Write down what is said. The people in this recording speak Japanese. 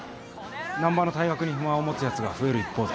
難破の退学に不満を持つやつが増える一方で。